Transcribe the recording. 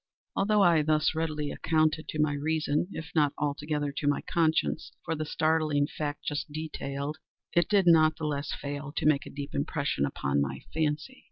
Although I thus readily accounted to my reason, if not altogether to my conscience, for the startling fact just detailed, it did not the less fail to make a deep impression upon my fancy.